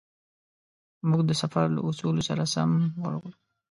موږ د سفر له اصولو سره سم ورغلو.